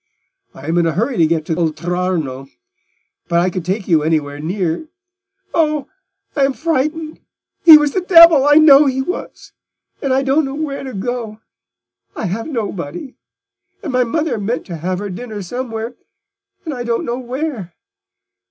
I am in a hurry to get to Oltrarno, but if I could take you anywhere near—" "Oh, I am frightened: he was the devil—I know he was. And I don't know where to go. I have nobody: and my mother meant to have her dinner somewhere, and I don't know where.